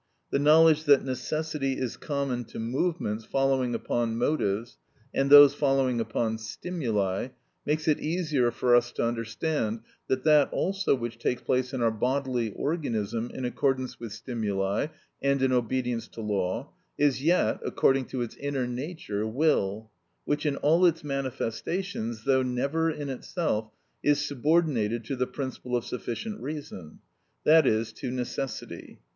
The knowledge that necessity is common to movements following upon motives, and those following upon stimuli, makes it easier for us to understand that that also which takes place in our bodily organism in accordance with stimuli and in obedience to law, is yet, according to its inner nature—will, which in all its manifestations, though never in itself, is subordinated to the principle of sufficient reason, that is, to necessity.